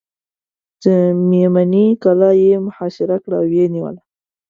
د مېمنې کلا یې محاصره کړه او ویې نیوله.